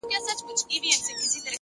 هېره مي يې!!